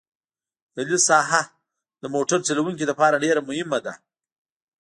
د لید ساحه د موټر چلوونکي لپاره ډېره مهمه ده